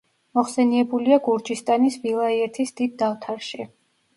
მოხსენიებულია გურჯისტანის ვილაიეთის დიდ დავთარში.